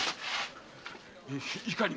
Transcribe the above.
いかにも。